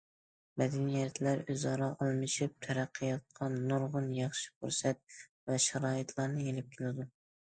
مەدەنىيەتلەر ئۆزئارا ئالمىشىپ، تەرەققىياتقا نۇرغۇن ياخشى پۇرسەت ۋە شارائىتلارنى ئېلىپ كېلىدۇ.